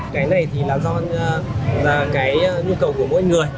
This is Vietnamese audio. cái này thì là do cái nhu cầu của mỗi người